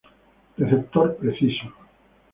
Receptor preciso.